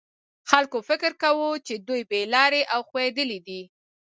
خلکو فکر کاوه چې دوی بې لارې او ښویېدلي دي.